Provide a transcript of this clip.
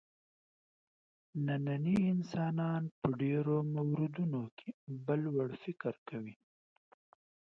نننی انسان په ډېرو موردونو کې بل وړ فکر کوي.